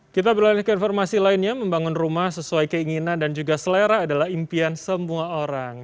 kita berlari ke informasi lainnya membangun rumah sesuai keinginan dan juga selera adalah impian semua orang